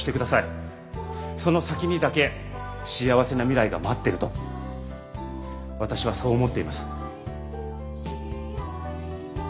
その先にだけ幸せな未来が待ってると私はそう思っています。